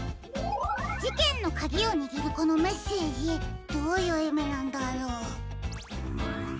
じけんのかぎをにぎるこのメッセージどういういみなんだろう。